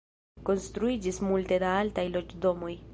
Konstruiĝis multe da altaj loĝdomoj.